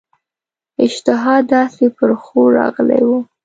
اشتها داسي پر ښور راغلې وه.